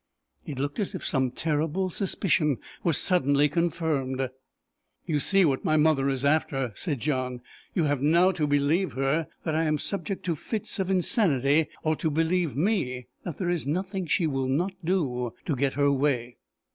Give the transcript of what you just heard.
It looked as if some terrible suspicion were suddenly confirmed. "You see what my mother is after!" said John. "You have now to believe her, that I am subject to fits of insanity, or to believe me, that there is nothing she will not do to get her way."